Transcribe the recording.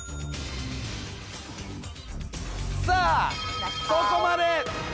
さあそこまで。